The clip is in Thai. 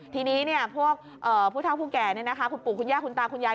ทีนี้พวกผู้เท่าผู้แก่คุณปู่คุณย่าคุณตาคุณยาย